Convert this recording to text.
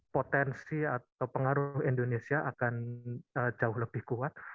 potensi atau pengaruh indonesia akan jauh lebih kuat